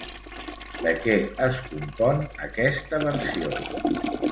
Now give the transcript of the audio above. De què es compon aquesta versió?